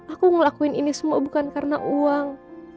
aku ngelakuin ini semua bukan karena uang